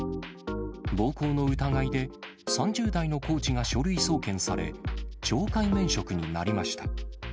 暴行の疑いで、３０代のコーチが書類送検され、懲戒免職になりました。